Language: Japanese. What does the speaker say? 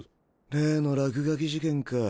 例の落書き事件か。